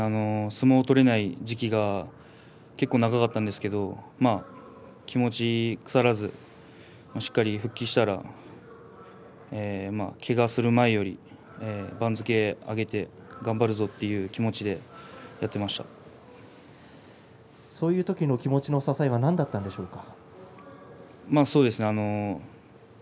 相撲が取れない時期が結構長かったんですけれど気持ちが腐らずにしっかりと復帰ができたらけがをする前より番付を上げて頑張るぞという気持ちでそういう時の気持ちの支えはそうですね。